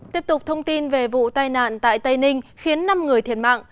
tiếp tục thông tin về vụ tai nạn tại tây ninh khiến năm người thiệt mạng